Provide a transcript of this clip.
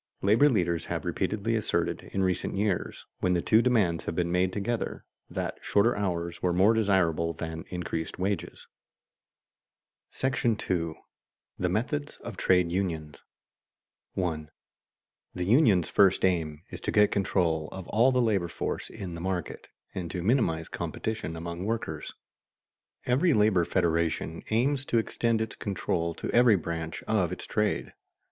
Labor leaders have repeatedly asserted in recent years, when the two demands have been made together, that shorter hours were more desirable than increased wages. § II. THE METHODS OF TRADE UNIONS [Sidenote: Organized labor seeks to prevent competition among workers] 1. The union's first aim is to get control of all the labor force in the market, and to minimize competition among workers. Every labor federation aims to extend its control to every branch of its trade.